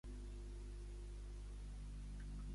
Les gallines de Margarida escatainen i no ponen.